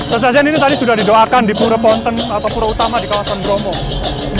sesajian ini tadi sudah didoakan di pura bonten atau pura utama di kawasan bromong